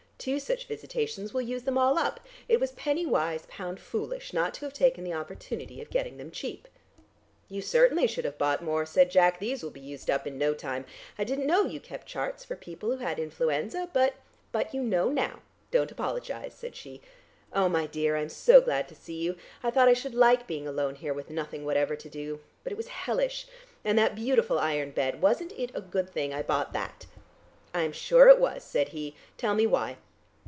Two such visitations will use them all up. It was penny wise, pound foolish not to have taken the opportunity of getting them cheap." "You certainly should have bought more," said Jack. "These will be used up in no time. I didn't know you kept charts for people who had influenza, but " "But you know now. Don't apologise," said she. "Oh, my dear, I'm so glad to see you. I thought I should like being alone here with nothing whatever to do, but it was hellish. And that beautiful iron bed. Wasn't it a good thing I bought that?" "I'm sure it was," said he. "Tell me why!"